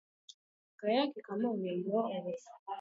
Kaka yake Kamau ni muongo.